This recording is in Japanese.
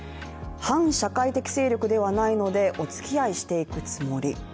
反社会的勢力ではないのでおつきあいしていくつもり。